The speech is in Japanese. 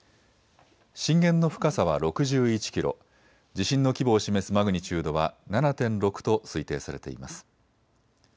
震源の深さは６１キロ、地震の規模を示すマグニチュードは７．６と推定されています。